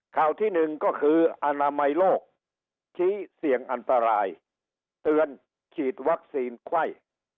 ข่าวที่หนึ่งก็คืออนามัยโลกชี้เสี่ยงอันตรายเตือนฉีดวัคซีนไข้